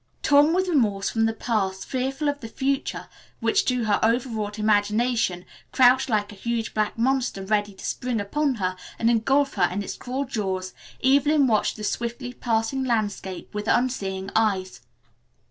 Torn with remorse for the past, fearful of the future, which, to her overwrought imagination, crouched like a huge black monster ready to spring upon her and engulf her in its cruel jaws, Evelyn watched the swiftly passing landscape with unseeing eyes.